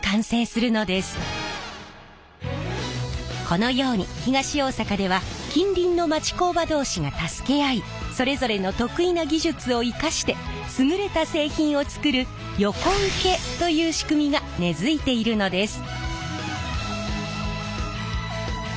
このように東大阪では近隣の町工場同士が助け合いそれぞれの得意な技術を生かして優れた製品を作る横請けという仕組みが根づいているのです。